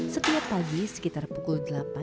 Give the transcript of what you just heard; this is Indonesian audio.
setiap pagi sekitar pukul delapan